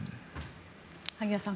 萩谷さん